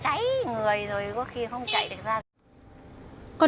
còn đây là những trường hợp mà các chú không chạy được ra